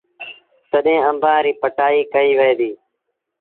تڏهيݩ آݩبآݩ ريٚ پٽآئيٚ ڪئيٚ وهي ديٚ۔